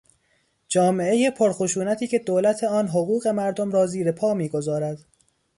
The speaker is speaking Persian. جامعهی پرخشونتی که دولت آن حقوق مردم را زیر پا میگذارد